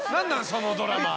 そのドラマ。